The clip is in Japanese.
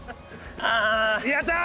やったー！